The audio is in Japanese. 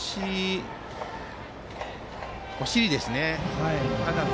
お尻ですね。